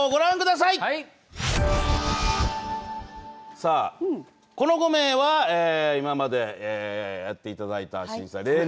さあ、この５名は、今までやっていただいた審査員。